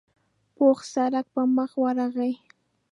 پوخ سړک په مخه ورغی.